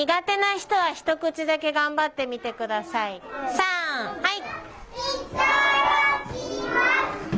さんはい。